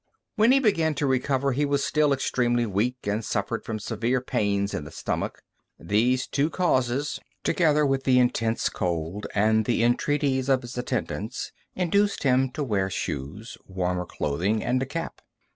When he began to recover, he was still extremely weak, and suffered from severe pains in the stomach. These two causes, together with the intense cold and the entreaties of his attendants, induced him to wear shoes, warmer clothing, and a cap.